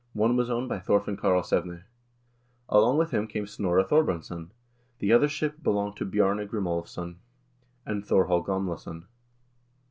One was owned by Thorfinn Karlsevne. Along with him came Snorre Thorbrandsson. The other ship belonged to Bjarne Grimolvsson and Thorhall Gamlason.